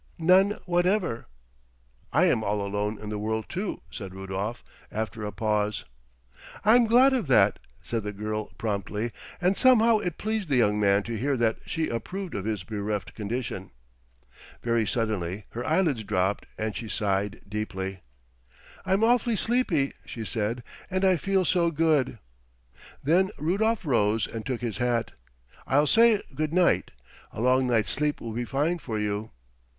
"None whatever." "I am all alone in the world, too," said Rudolf, after a pause. "I am glad of that," said the girl, promptly; and somehow it pleased the young man to hear that she approved of his bereft condition. Very suddenly her eyelids dropped and she sighed deeply. "I'm awfully sleepy," she said, "and I feel so good." Then Rudolf rose and took his hat. "I'll say good night. A long night's sleep will be fine for you."